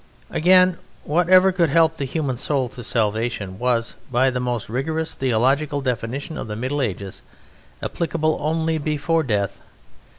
Again, whatever could help the human soul to salvation was by the most rigorous theological definition of the Middle Ages applicable only before death.